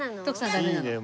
徳さん